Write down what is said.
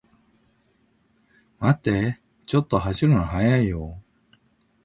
待ってー、ちょっと走るの速いよー